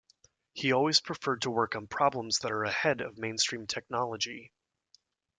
He always preferred to work on problems that are ahead of mainstream technology.